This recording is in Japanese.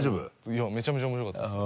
いやめっちゃめちゃ面白かったです。